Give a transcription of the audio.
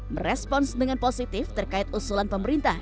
merespons dengan positif terkait usulan pemerintah